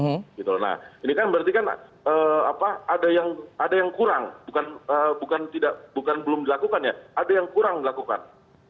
nah ini kan berarti kan ada yang kurang bukan belum dilakukan ya ada yang kurang dilakukan